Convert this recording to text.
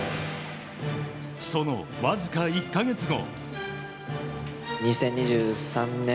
そのわずか１か月後。